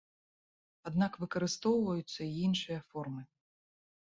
Аднак выкарыстоўваюцца і іншыя формы.